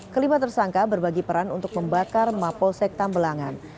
kelima tersangka berbagi peran untuk membakar mapol sek tambelangan